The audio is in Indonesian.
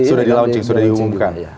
sudah di launching sudah diumumkan